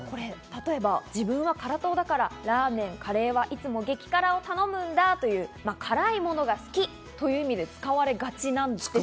例えば自分は辛党だからラーメン、カレーはいつも激辛を頼むんだという辛いものが好きという意味で使われがちなんですが。